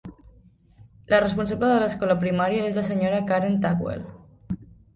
La responsable de l'escola primària és la senyora Karen Tuckwell.